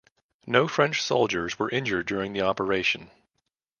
No French soldiers were injured during the operation.